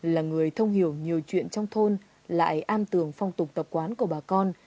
là người thông hiểu nhiều chuyện trong thôn lại am tường phong tục tập quán của bà con